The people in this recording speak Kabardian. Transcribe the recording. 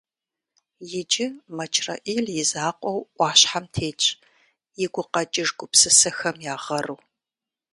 Иджы Мэчрэӏил и закъуэу ӏуащхьэм тетщ и гукъэкӏыж гупсысэхэм я гъэру.